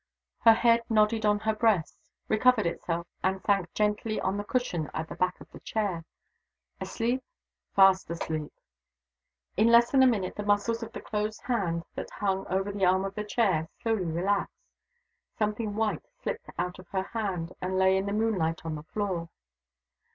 Her head nodded on her breast recovered itself and sank gently on the cushion at the back of the chair. Asleep? Fast asleep. In less than a minute the muscles of the closed hand that hung over the arm of the chair slowly relaxed. Something white slipped out of her hand, and lay in the moonlight on the floor.